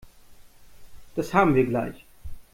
Das haben wir gleich.